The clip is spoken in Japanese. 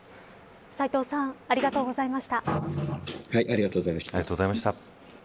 斎藤さんありがとうございました。